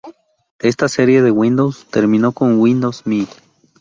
Esta serie de Windows terminó con Windows Me.